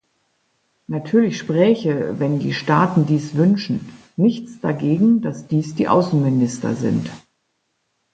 Natürlich spräche, wenn die Staaten dies wünschen, nichts dagegen, dass dies die Außenminister sind.